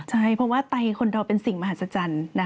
ใช่เพราะว่าไตคนเราเป็นสิ่งมหัศจรรย์